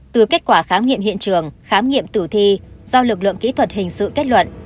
từ kết quả khám nghiệm hiện trường khám nghiệm tử thi do lực lượng kỹ thuật hình sự kết luận